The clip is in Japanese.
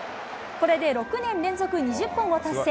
これで６年連続、２０本を達成。